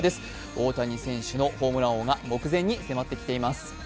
大谷選手のホームラン王が目前に迫ってきています。